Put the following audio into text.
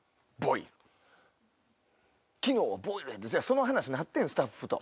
昨日はボイルやてその話になってんスタッフと。